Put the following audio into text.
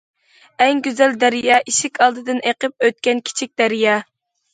ئەڭ گۈزەل دەريا، ئىشىك ئالدىدىن ئېقىپ ئۆتكەن كىچىك دەريا.